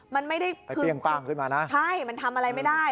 มันไม่ได้ไปเปรี้ยงป้างขึ้นมานะใช่มันทำอะไรไม่ได้